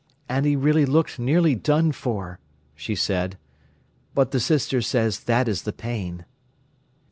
"And he really looked nearly done for," she said. "But the Sister says that is the pain."